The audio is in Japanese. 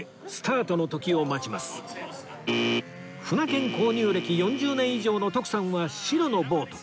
舟券購入歴４０年以上の徳さんは白のボート